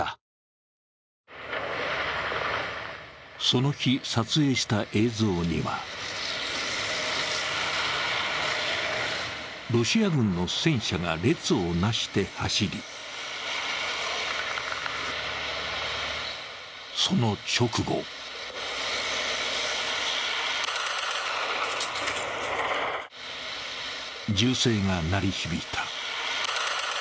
その日撮影した映像にはロシア軍の戦車が列をなして走りその直後銃声が鳴り響いた。